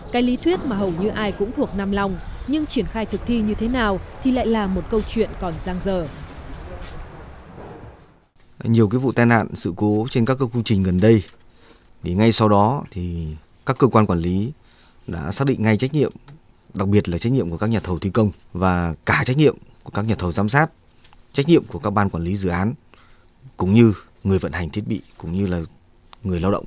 cái lý thuyết mà hầu như ai cũng thuộc nằm lòng nhưng triển khai thực thi như thế nào thì lại là một câu chuyện còn giang giờ